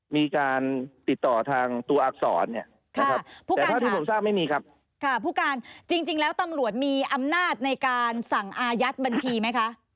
มีอำนาจในการสั่งอายัดบัญชีไหมคะ